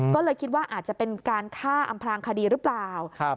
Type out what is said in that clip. ก็เลยคิดว่าอาจจะเป็นการฆ่าอำพลางคดีหรือเปล่า